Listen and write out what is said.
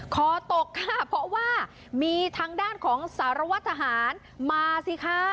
คอตกค่ะเพราะว่ามีทางด้านของสารวัตรทหารมาสิคะ